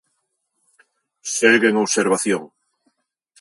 Segue en observación.